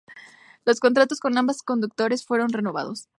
Los contratos con ambos conductores fueron renovados.